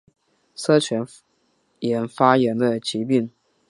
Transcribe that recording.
腮腺炎发炎的疾病。